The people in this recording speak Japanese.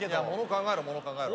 考えろもの考えろ。